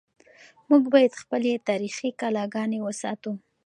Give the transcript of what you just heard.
موږ باید خپلې تاریخي کلاګانې وساتو.